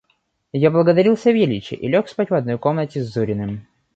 Я благодарил Савельича и лег спать в одной комнате с Зуриным.